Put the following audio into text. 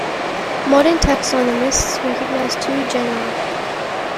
Modern taxonomists recognise two genera.